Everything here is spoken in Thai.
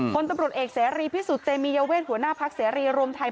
คนตำรวจเอกเสรีพิสุทธิเตมียเวทหัวหน้าพักเสรีรวมไทย